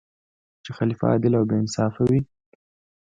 چې خلیفه عادل او با انصافه دی.